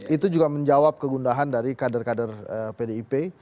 itu juga menjawab kegundahan dari kader kader pdip